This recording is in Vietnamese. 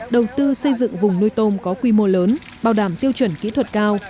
đầu tư xây dựng vùng nuôi tôm có quy mô lớn bảo đảm tiêu chuẩn kỹ thuật cao